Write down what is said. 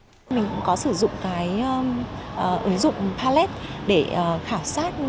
mình cũng có sử dụng cái ứng dụng palette để khảo sát